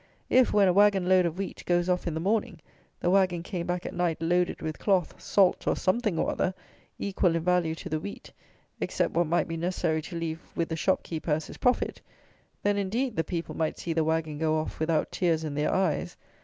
If, when a wagon load of wheat goes off in the morning, the wagon came back at night loaded with cloth, salt, or something or other, equal in value to the wheat, except what might be necessary to leave with the shopkeeper as his profit; then, indeed, the people might see the wagon go off without tears in their eyes.